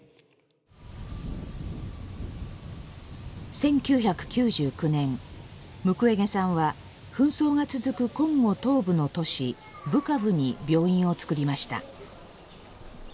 １９９９年ムクウェゲさんは紛争が続くコンゴ東部の都市ブカブに病院をつくりました。